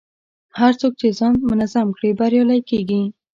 هر څوک چې ځان منظم کړي، بریالی کېږي.